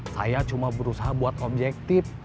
saya cuma berusaha buat objektif